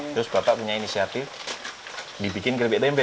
terus bapak punya inisiatif dibikin keripik tempe